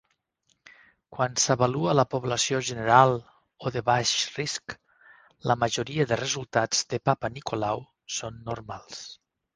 Quan s'avalua la població general o de baix risc, la majoria de resultats de Papanicolau són normals.